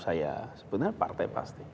saya sebutnya partai pasti